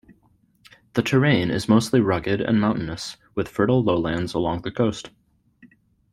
The terrain is mostly rugged and mountainous, with fertile lowlands along the coast.